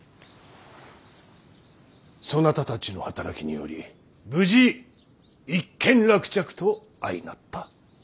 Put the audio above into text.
そなたたちの働きにより無事一件落着と相成った。